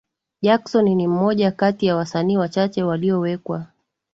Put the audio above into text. Jackson ni mmoja kati ya wasanii wachache waliowekwa